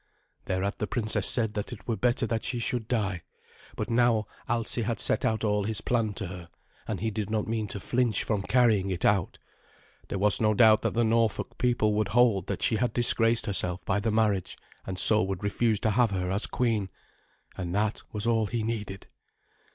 Thereat the princess said that it were better that she should die; but now Alsi had set out all his plan to her, and he did not mean to flinch from carrying it out. There was no doubt that the Norfolk people would hold that she had disgraced herself by the marriage, and so would refuse to have her as queen. And that was all he needed.